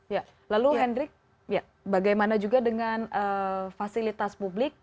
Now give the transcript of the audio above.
ya lalu hendrik bagaimana juga dengan fasilitas publik